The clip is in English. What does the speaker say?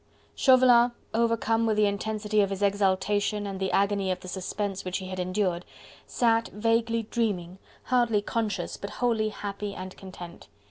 Chauvelin, overcome with the intensity of his exultation and the agony of the suspense which he had endured, sat, vaguely dreaming, hardly conscious, but wholly happy and content.